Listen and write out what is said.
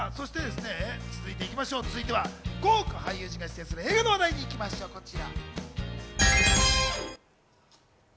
続いては豪華俳優陣が出演する映画の話題、こちら。